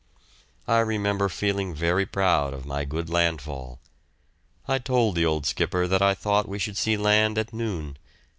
I remember feeling very proud of my good landfall. I told the old skipper that I thought we should see land at noon.